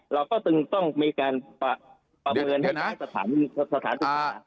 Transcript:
เราก็ต้องมีการประเมินให้สถานการณ์